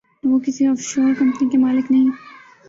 وہ کسی offshore company کے مالک نہیں۔